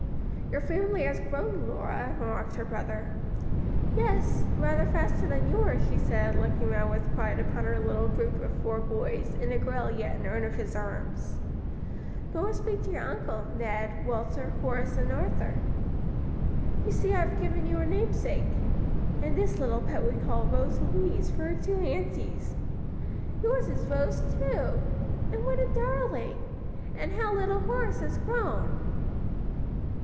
"Your family has grown, Lora," remarked her brother. "Yes, rather faster than yours," she said, looking round with pride upon her little group of four boys, and a girl yet in her nurse's arms. "Go and speak to your uncle, Ned, Walter, Horace, and Arthur. You see I have given you a namesake; and this little pet we call Rose Louise, for her two aunties. Yours is Rose, too! and what a darling! and how little Horace has grown!"